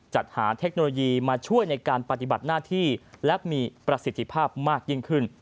จัดหาเทคโนโลยีมาช่วยในการปฏิบัติหน้าที่และมีประสิทธิภาพมากยิ่งขึ้น